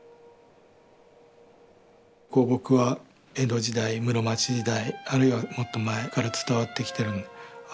香木は江戸時代室町時代あるいはもっと前から伝わってきているのであ